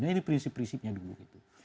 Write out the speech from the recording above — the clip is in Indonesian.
nah ini prinsip prinsipnya dulu gitu